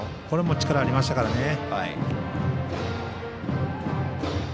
これも力がありましたからね。